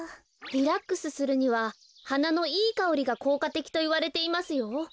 リラックスするにははなのいいかおりがこうかてきといわれていますよ。